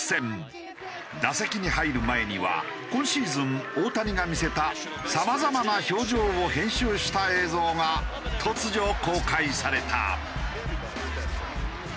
打席に入る前には今シーズン大谷が見せたさまざまな表情を編集した映像が突如公開された。